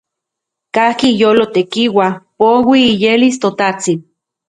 Kajki iyolo tekiua, poui iyelis ToTajtsin.